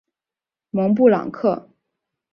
蒙布朗克。